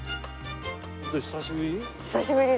久しぶり？